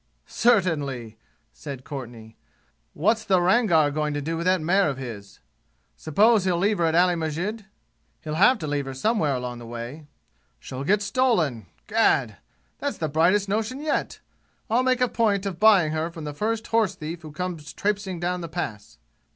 "Certainly!" said Courtenay. "What's the Rangar going to do with that mare of his? Suppose he'll leave her at Ali Masjid? He'll have to leave her somewhere on the way. She'll get stolen. Gad! That's the brightest notion yet! I'll make a point of buying her from the first horse thief who comes traipsing down the Pass!"